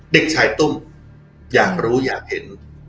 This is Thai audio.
เด็กชายตุ้มอยากรู้อยากเห็น